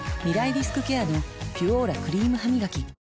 リスクケアの「ピュオーラ」クリームハミガキ